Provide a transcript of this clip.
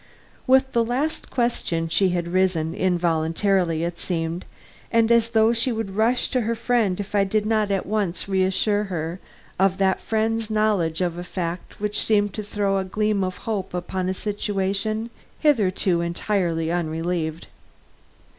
With the last question she had risen, involuntarily, it seemed, and as though she would rush to her friend if I did not at once reassure her of that friend's knowledge of a fact which seemed to throw a gleam of hope upon a situation hitherto entirely unrelieved.